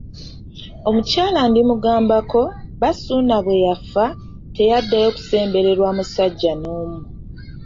Omukyala Ndimugambako, bba Ssuuna bwe yafa, teyaddayo kusembererwa musajja n'omu.